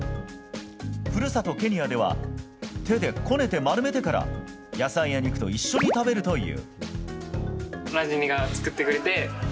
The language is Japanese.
故郷ケニアでは手でこねて丸めてから野菜や肉と一緒に食べるという。